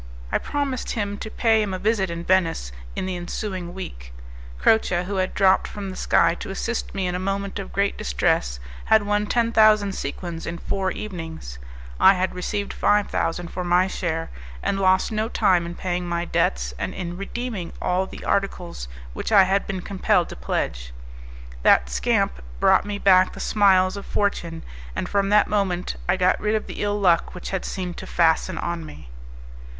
I promised him to pay him a visit in Venice in the ensuing week. Croce, who had dropped from the sky to assist me in a moment of great distress, had won ten thousand sequins in four evenings: I had received five thousand for my share; and lost no time in paying my debts and in redeeming all the articles which I had been compelled to pledge. That scamp brought me back the smiles of Fortune, and from that moment I got rid of the ill luck which had seemed to fasten on me.